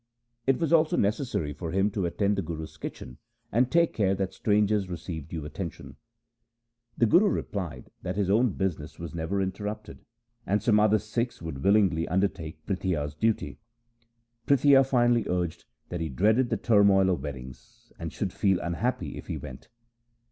It was also necessary for him to attend the Guru's kitchen, and take care that strangers received due attention. The Guru replied that his own business was never interrupted, and some other Sikh would willingly undertake Prithia's duties. Prithia finally urged that he dreaded the turmoil of weddings, and should feel unhappy if he went.